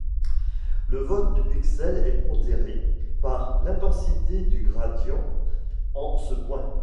Le vote du pixel est pondéré par l'intensité du gradient en ce point.